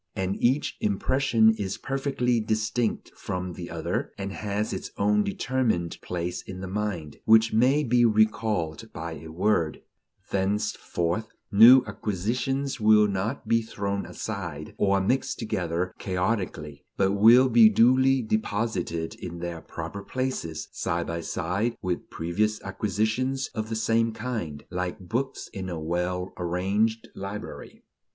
And each impression is perfectly distinct from the other, and has its own determined place in the mind, which may be recalled by a word; thenceforth, new acquisitions will not be thrown aside or mixed together chaotically, but will be duly deposited in their proper places, side by side with previous acquisitions of the same kind, like books in a well arranged library.